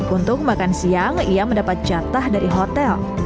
untuk makan siang ia mendapat jatah dari hotel